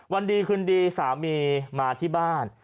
วันดีคืนดีสามีมาที่บ้าน